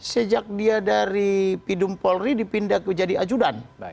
sejak dia dari pidumpolri dipindah jadi ajudan